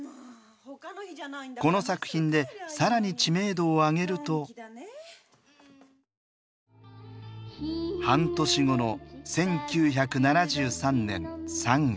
この作品で更に知名度を上げると半年後の１９７３年３月。